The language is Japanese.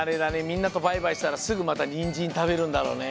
みんなとバイバイしたらすぐまたニンジンたべるんだろうね。